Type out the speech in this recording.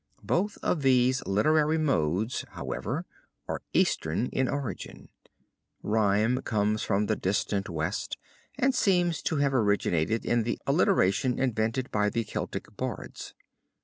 Both of these literary modes, however, are eastern in origin. Rhyme comes from the distant West and seems to have originated in the alliteration invented by the Celtic bards.